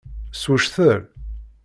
Swectel.